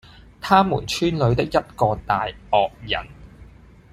他們村裏的一個大惡人，